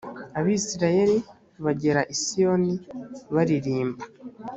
abisirayeli bagera i siyoni baririmba.